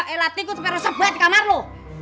eh latih gue sampai resep gue di kamar lu